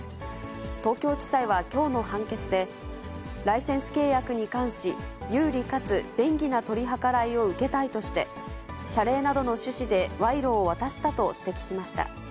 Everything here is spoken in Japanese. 東京地裁はきょうの判決で、ライセンス契約に関し、有利かつ便宜な取り計らいを受けたいとして、謝礼などの趣旨で賄賂を渡したと指摘しました。